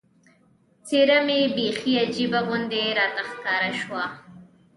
څېره مې بیخي عجیبه غوندې راته ښکاره شوه.